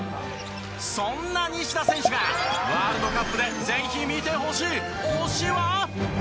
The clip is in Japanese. そんな西田選手がワールドカップでぜひ見てほしい推しは？